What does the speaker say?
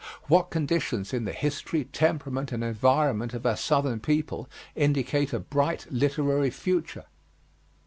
What conditions in the history, temperament and environment of our Southern people indicate a bright literary future.